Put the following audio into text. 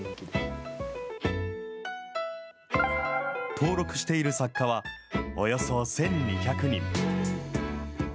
登録している作家はおよそ１２００人。